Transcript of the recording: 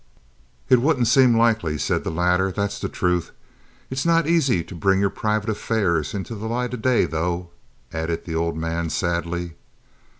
"It wouldn't seem likely," said the latter; "that's the truth. It's not aisy to bring your private affairs into the light of day, though," added the old man, sadly.